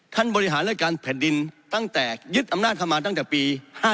ท่านบริหารและการแผ่นดินยึดอำนาจเข้ามาตั้งแต่ปี๕๗